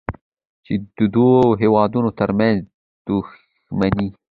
چې د دوو هېوادونو ترمنځ دوښمني